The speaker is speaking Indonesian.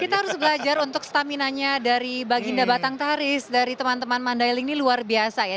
kita harus belajar untuk stamina nya dari baginda batang taris dari teman teman mandailing ini luar biasa ya